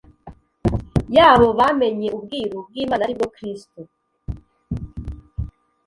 yabo bamenye ubwiru bw imana ari bwo kristo